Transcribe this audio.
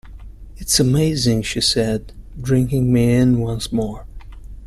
'It's amazing' she said, drinking me in once more.